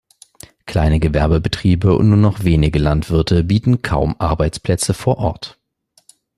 Kleine Gewerbebetriebe und nur noch wenige Landwirte bieten kaum Arbeitsplätze vor Ort.